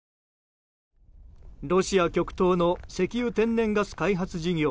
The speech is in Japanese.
ロシア極東の石油・天然ガス開発事業